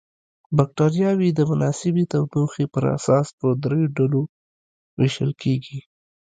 بکټریاوې د مناسبې تودوخې پر اساس په دریو ډلو ویشل کیږي.